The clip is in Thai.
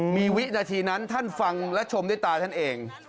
มีวินาทีนั้นท่านฟังและชมด้วยตาท่านเอง